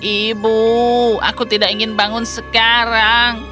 ibu aku tidak ingin bangun sekarang